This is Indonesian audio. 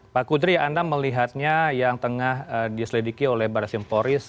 pak kudri anda melihatnya yang tengah diselidiki oleh baris simporis